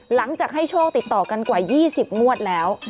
หลังจากให้โชคติดต่อกันกว่า๒๐งวดแล้ว